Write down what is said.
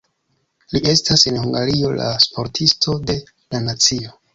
Li estas en Hungario la Sportisto de la nacio.